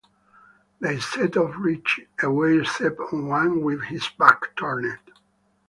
They set off right away except one with his back turned.